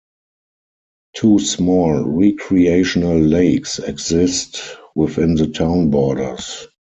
Two small recreational lakes exist within the town borders.